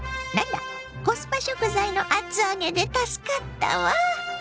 コスパ食材の厚揚げで助かったわ。